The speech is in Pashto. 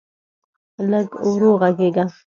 لږ ورو غږېږه.